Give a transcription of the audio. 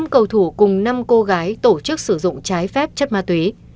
năm cầu thủ cùng năm cô gái tổ chức sử dụng trái phép chất ma túy